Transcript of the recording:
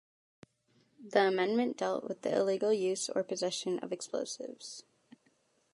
The amendment dealt with the illegal use or possession of explosives.